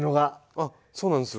あそうなんですよ。